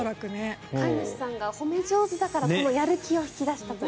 飼い主さんが褒め上手だからやる気を引き出したという。